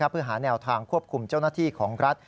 เพื่อหาแนวทางควบคุมเจ้าหน้าที่ของรัฐ